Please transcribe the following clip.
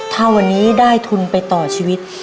ถ้าวันนี้ได้ทุนไปต่อชีวิต